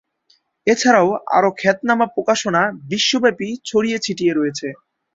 এছাড়াও আরো খ্যাতনামা প্রকাশনা বিশ্বব্যাপী ছড়িয়ে-ছিটিয়ে রয়েছে।